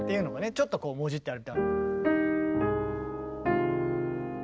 ちょっとこうもじってある。